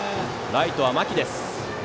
ライトは牧です。